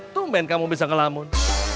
tumben kamu bisa ngelamun